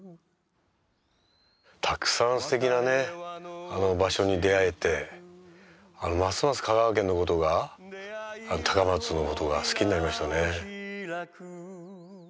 たくさんすてきな場所に出合えてますます香川県のことが高松のことが好きになりましたね。